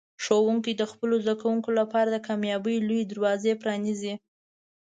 ښوونکي د خپلو زده کوونکو لپاره د کامیابۍ لوی دروازه پرانیزي.